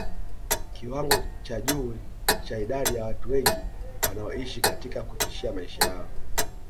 Kiwango cha juu cha idadi ya watu wengi wanaoishi katika kutishia maisha yao